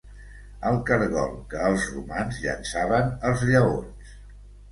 El cargol que els romans llençaven als lleons.